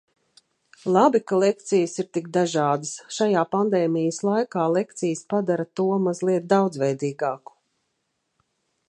Labi, ka lekcijas ir tik dažādas. Šajā pandēmijas laikā lekcijas padara to mazliet daudzveidīgāku.